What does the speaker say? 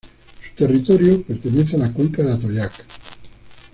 Su territorio pertenece a la cuenca del Atoyac.